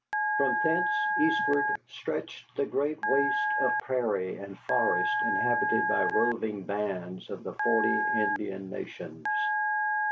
From thence eastward stretched the great waste of prairie and forest inhabited by roving bands of the forty Indian nations.